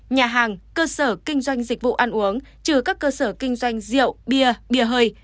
nhà hàng cơ sở kinh doanh dịch vụ ăn uống trừ các cơ sở kinh doanh rượu bia bìa hơi